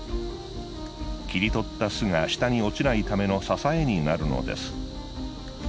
切り取った巣が下に落ちないための支えになるのです。